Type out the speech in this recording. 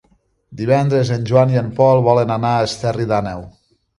Divendres en Joan i en Pol volen anar a Esterri d'Àneu.